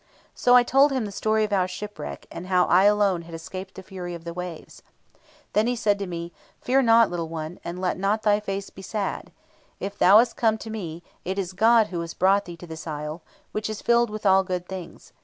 So I told him the story of our shipwreck, and how I alone had escaped from the fury of the waves. Then said he to me: 'Fear not, little one, and let not thy face be sad. If thou hast come to me, it is God who has brought thee to this isle, which is filled with all good things.